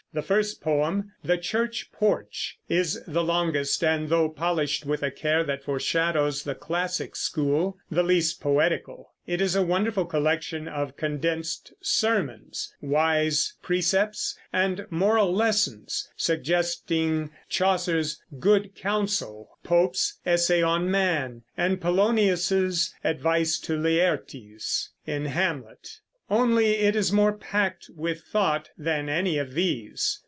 The first poem, "The Church Porch," is the longest and, though polished with a care that foreshadows the classic school, the least poetical. It is a wonderful collection of condensed sermons, wise precepts, and moral lessons, suggesting Chaucer's "Good Counsel," Pope's "Essay on Man," and Polonius's advice to Laertes, in Hamlet; only it is more packed with thought than any of these.